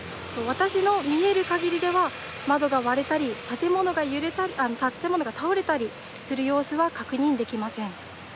私の見えるかぎりでは、窓が割れたり、建物が倒れたりする様子は確認できません。